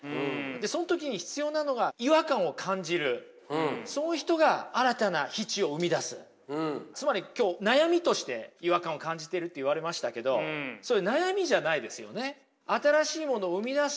その時に必要なのがそういう人がつまり今日悩みとして違和感を感じてるって言われましたけどそれ悩みじゃないですよね。